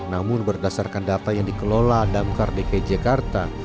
namun berdasarkan data yang dikelola damkar dki jakarta